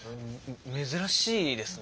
め珍しいですね。